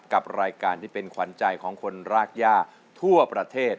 กับรายการที่เป็นขวัญใจของคนรากย่าทั่วประเทศ